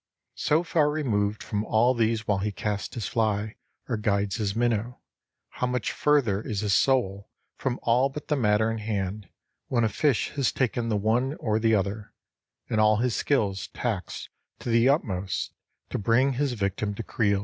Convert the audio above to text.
So far removed from all these while he casts his fly or guides his minnow, how much further is his soul from all but the matter in hand when a fish has taken the one or the other, and all his skill is taxed to the utmost to bring his victim to creel.